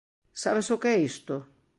Sabes o que é isto?